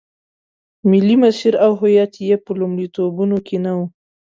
ملي مسیر او هویت یې په لومړیتوبونو کې نه و.